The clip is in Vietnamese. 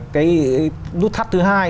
cái nút thắt thứ hai